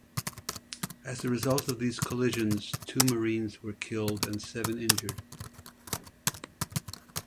As a result of these collisions, two Marines were killed and seven injured.